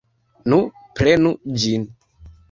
Nu, prenu ĝin!